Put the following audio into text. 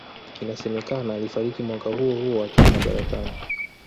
Inasemekana alifariki mwaka huohuo akiwa madarakani